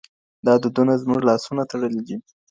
دا دودونه زموږ لاسونه تړلي دي.